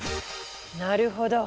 なるほど！